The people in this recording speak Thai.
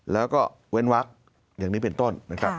แล้วก็เว้นวักอย่างนี้เป็นต้นนะครับ